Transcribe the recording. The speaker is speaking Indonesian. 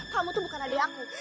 kamu tuh bukan adik aku